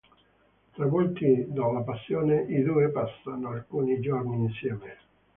Travolti dalla passione, i due passano alcuni giorni insieme.